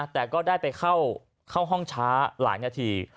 แต่ก็ได้ไปเข้าห้องช้าหลายนาที